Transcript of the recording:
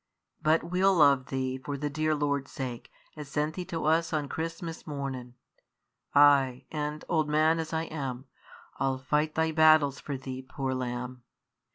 But we'll love thee for the dear Lord's sake as sent thee to us on Christmas mornin'. Ay, and, old as I am, I'll fight thy battles for thee, poor lamb!"